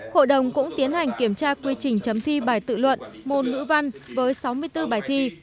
hội đồng cũng tiến hành kiểm tra quy trình chấm thi bài tự luận môn ngữ văn với sáu mươi bốn bài thi